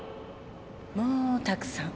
もうたくさん。